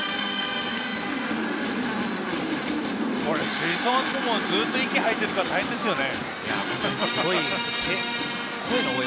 吹奏楽部も、ずっと息を吐いているから大変ですね。